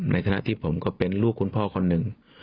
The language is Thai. ในฐานะที่ผมก็เป็นลูกคุณพ่อคนหนึ่ง